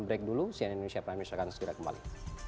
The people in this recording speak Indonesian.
break dulu sian indonesia prime news akan segera kembali